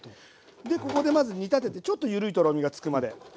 でここでまず煮立ててちょっとゆるいトロミがつくまで。